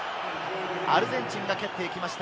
アルゼンチンが蹴っていきました。